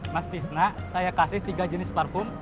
mas cisna saya kasih tiga jenis parfum